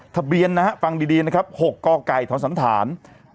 ทะเบียนนะฮะฟังดีนะครับ๖กไก่ทสันฐาน